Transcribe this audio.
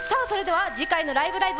それでは次回の「ライブ！